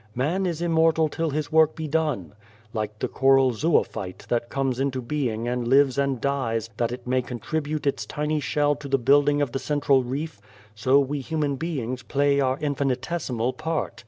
' Man is immortal till his work be done.' Like the coral zoophyte that comes into being and lives and dies that it may contribute its tiny shell to the building of the central reef, so we human beings play our infinitesimal part.